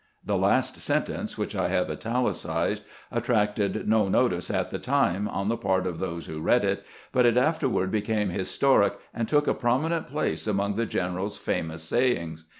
..." The last sentence, which I have italicized, attracted no notice at the time on the part of those who read it, but it afterward became historic and took a prominent place among the general's famous sayings.